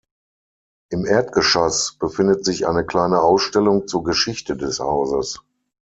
Im Erdgeschoss befindet sich eine kleine Ausstellung zur Geschichte des Hauses.